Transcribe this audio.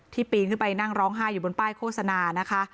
ปีนขึ้นไปนั่งร้องไห้อยู่บนป้ายโฆษณานะคะ